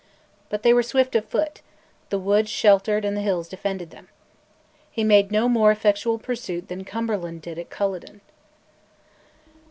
But they were swift of foot, the woods sheltered and the hills defended them. He made no more effectual pursuit than Cumberland did at Culloden.